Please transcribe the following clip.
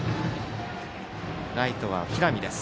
ライトは平見です。